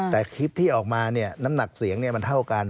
แต่คลิปที่ออกมาเนี่ยน้ำหนักเสียงมันเท่ากัน